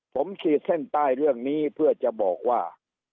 ผมขีดเส้นใต้เรื่องนี้เพื่อจะบอกว่า